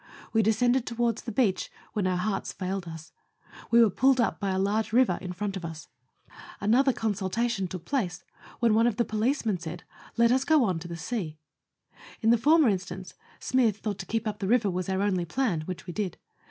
We descended towards the beach, when our hearts failed us. We were pulled up by a large river in front of us. Another consultation 118 Letters from Victorian Pioneers. took place, when one of the policemen said, " Let us go on to the sea." In the former instance Smyth thought to keep up the river was our only plan, which we did.